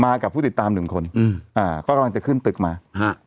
กับผู้ติดตามหนึ่งคนอืมอ่าก็กำลังจะขึ้นตึกมาฮะ